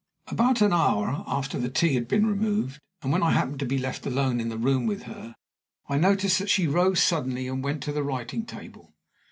About an hour after the tea had been removed, and when I happened to be left alone in the room with her, I noticed that she rose suddenly and went to the writing table.